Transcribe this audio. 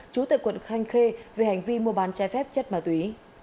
trú tại quận khanh khê về hành vi mua bán trái phép chất ma túy